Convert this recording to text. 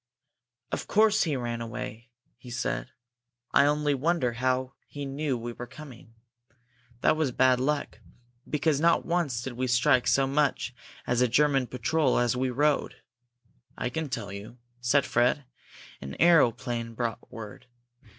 "Of course he ran away!" he said. "I only wonder how he knew we were coming! That was bad luck because not once did we strike so much as a German patrol as we rode." "I can tell you," said Fred. "An aeroplane brought word.